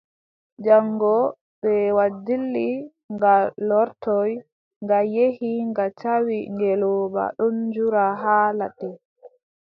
Jaŋngo mbeewa dilli, nga lortoy, nga yehi nga tawi ngeelooba ɗon dura haa ladde.